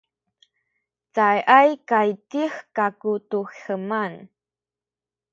cayay kaydih kaku tu hemay